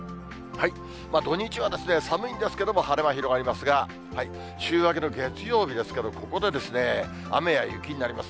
土日は寒いんですけれども、晴れ間広がりますが、週明けの月曜日ですけれども、ここで雨や雪になります。